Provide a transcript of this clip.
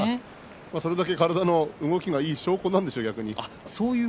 それだけ体の反応がいい証拠なんでしょう。